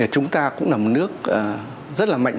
chúng ta cũng là một nước rất là mạnh